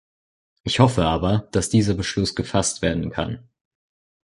Ich hoffe aber, dass dieser Beschluss gefasst werden kann.